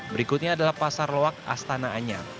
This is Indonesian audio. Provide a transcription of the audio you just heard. berikutnya adalah pasar loak astana anyar